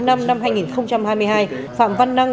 năm hai nghìn hai mươi hai phạm văn năng